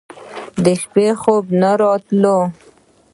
د شپې خوب نه راتلو.